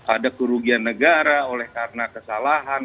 ada kerugian negara oleh karena kesalahan